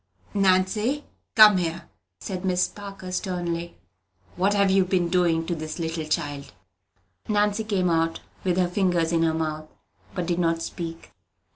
"Nancy, come here," said Miss Parker, sternly. "What have you been doing to this little child?" Nancy came out, with her fingers in her mouth, but did not speak.